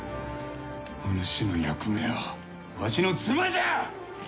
お主の役目は、わしの妻じゃ！